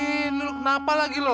iiih lu kenapa lagi lo